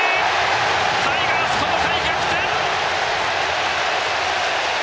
タイガース、この回逆転！